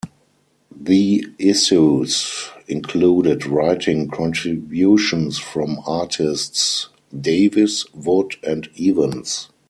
The issues included writing contributions from artists Davis, Wood and Evans.